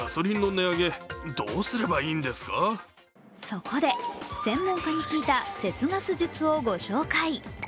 そこで専門家に聞いた節ガス術をご紹介。